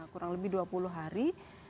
kurang lebih dua puluh hari